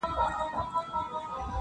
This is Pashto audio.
څه عجيبه غوندي حالت دى په يوه وجود کي ,